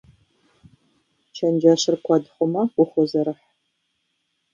Чэнджэщыр куэд хъумэ, ухозэрыхь.